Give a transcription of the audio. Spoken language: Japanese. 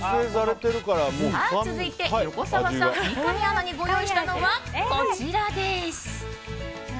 続いて横澤さん、三上アナにご用意したのはこちらです。